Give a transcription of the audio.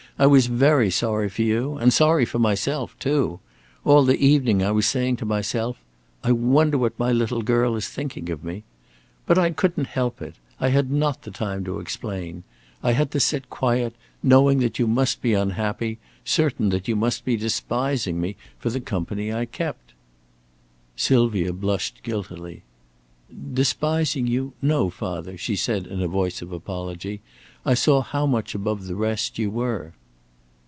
I was very sorry for you, and sorry for myself, too. All the evening I was saying to myself, 'I wonder what my little girl is thinking of me.' But I couldn't help it. I had not the time to explain. I had to sit quiet, knowing that you must be unhappy, certain that you must be despising me for the company I kept." Sylvia blushed guiltily. "Despising you? No, father," she said, in a voice of apology. "I saw how much above the rest you were."